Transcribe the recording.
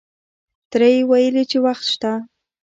تره یې ویلې چې وخت شته.